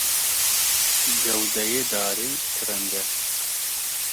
Gewdeyê darê çi reng e?